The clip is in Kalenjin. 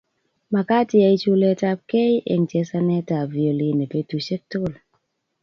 makat iyai chulet ap kei eng chesanet ap violini petusiek tukul